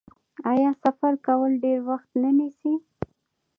آیا سفر کول ډیر وخت نه نیسي؟